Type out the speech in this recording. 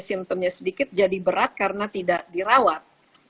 simptomnya sedikit jadi berat karena tidak dirawat